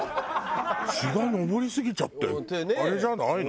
血が上りすぎちゃってあれじゃないの？